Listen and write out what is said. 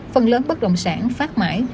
phần lớn bất động sản phát mãi